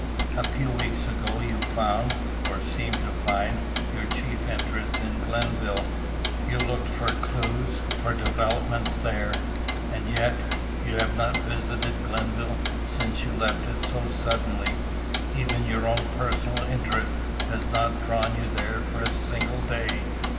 A few weeks ago you found, or seemed to find, your chief interest in Glenville; you looked for clues, for developments, there; and yet, you have not visited Glenville since you left it so suddenly. Even your own personal interest has not drawn you there for a single day."